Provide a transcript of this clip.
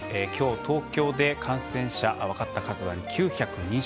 きょう、東京で感染者分かった数は９２２人。